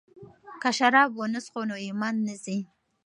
که شراب ونه څښو نو ایمان نه ځي.